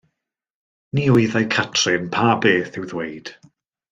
Ni wyddai Catrin pa beth i'w ddweud